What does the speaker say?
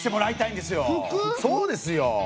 そうですよ！